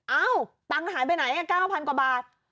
เอ้าตังค์หายไปไหน๙๐๐กว่าบาท